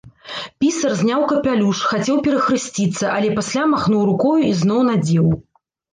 Пісар зняў капялюш, хацеў перахрысціцца, але пасля махнуў рукою і зноў надзеў.